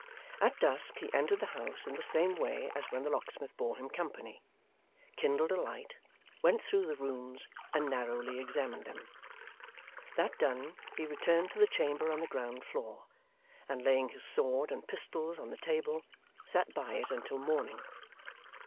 At dusk, he entered the house in the same way as when the locksmith bore him company, kindled a light, went through the rooms, and narrowly examined them. That done, he returned to the chamber on the ground floor, and laying his sword and pistols on the table, sat by it until morning.